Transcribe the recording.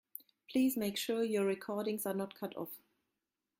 Please make sure your recordings are not cut off.